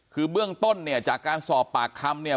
คือเบื้องต้นเนี่ยจากการสอบปากคำเนี่ย